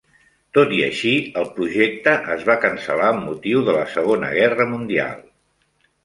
Tot i així, el projecte es va cancel·lar amb motiu de la Segona Guerra Mundial.